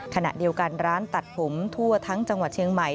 ขณะเดียวกันร้านตัดผมทั่วทั้งจังหวัดเชียงใหม่